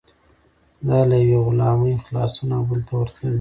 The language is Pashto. دا له یوې غلامۍ خلاصون او بلې ته ورتلل دي.